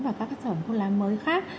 và các sản phẩm thuốc lá mới khác